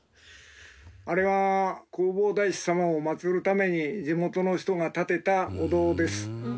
あれは弘法大師様を祀るために地元の人が建てたお堂です。